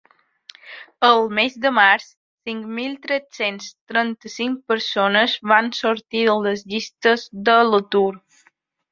Al mes de març, cinc mil tres-cents trenta-cinc persones van sortir de les llistes de l’atur.